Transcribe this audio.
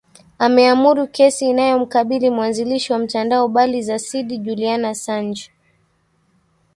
ameamuru kesi inayomkabili mwanzilishi wa mtandao bali za sidi juliana sanj